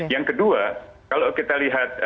yang kedua kalau kita lihat